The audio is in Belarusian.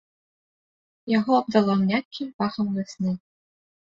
Яго абдало мяккім пахам вясны.